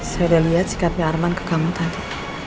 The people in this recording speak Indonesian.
saya udah lihat sikapnya arman ke kamu tadi